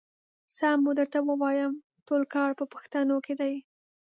سم به درته ووايم ټول کار په پښتنو کې دی.